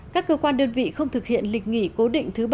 các cơ quan đơn vị không thực hiện lịch nghỉ cố định thứ ba